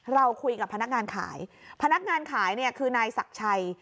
เราคุยกับพนักงานขายพนักงานขายเนี่ยคือนายศักดิ์ชัย